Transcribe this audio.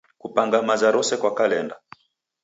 Kupange maza rose kwa kalenda.